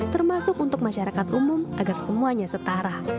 termasuk untuk masyarakat umum agar semuanya setara